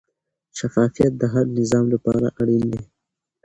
شفافیت د هر نظام لپاره اړین دی.